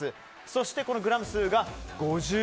そして、グラム数が５０ｇ。